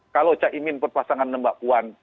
kalau cak imin berpasangan dengan mbak puan